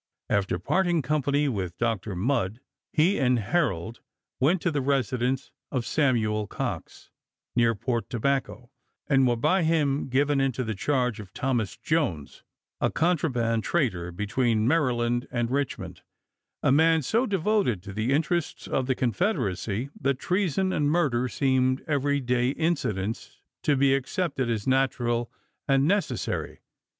After parting with Dr. Mudd, he and Herold went to the residence of Samuel Cox,1 near Port Tobacco, and were by him given into the charge of Thomas Jones, a contraband trader be tween Maryland and Richmond, a man so devoted to the interests of the Confederacy that treason and murder seemed every day incidents to be ac cepted as natural and necessary.